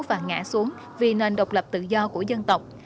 và ngã xuống vì nền độc lập tự do của dân tộc